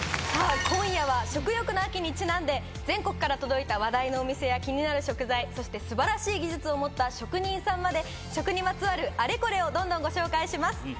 今夜は食欲の秋にちなんで全国から届いた話題のお店や気になる食材そして素晴らしい技術を持った職人さんまで食にまつわるあれこれをどんどんご紹介します。